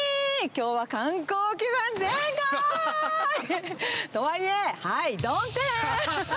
きょうは観光気分全開！とはいえ、はい、曇天！